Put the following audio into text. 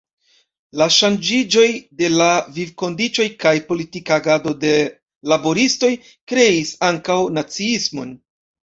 La ŝanĝiĝoj de la vivkondiĉoj kaj politika agado de laboristoj kreis ankaŭ naciismon.